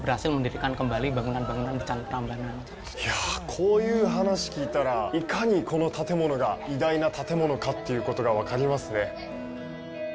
こういう話を聞いたら、いかにこの建物が偉大な建物かっていうことが分かりますね。